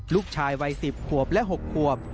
ลูกชายวัยสิบขวบและหกขวบ